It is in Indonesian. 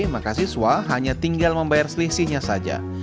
maka siswa hanya tinggal membayar selisihnya saja